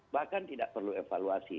bahkan tidak perlu evaluasi